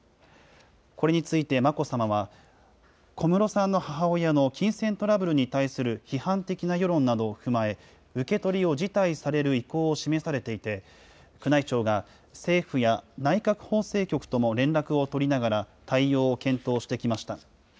これについて眞子さまは、小室さんの母親の金銭トラブルに対する批判的な世論などを踏まえ、受け取りを辞退される意向を示されていて、宮内庁が、政府や内閣法制局とも連絡を取りながら、対応を検討してきました。